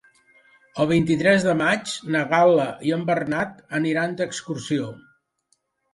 El vint-i-tres de maig na Gal·la i en Bernat aniran d'excursió.